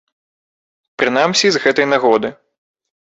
Прынамсі, з гэтай нагоды.